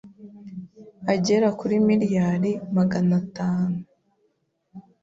agera kuri miliyari Magana atanu Frw